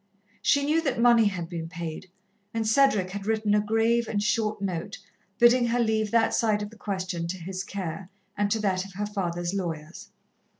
She knew that money had been paid, and Cedric had written a grave and short note, bidding her leave that side of the question to his care, and to that of her father's lawyers.